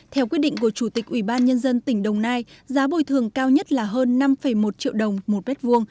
theo quyết định của chủ tịch ủy ban nhân dân tỉnh đồng nai giá bồi thường cao nhất là hơn năm một triệu đồng một bét vuông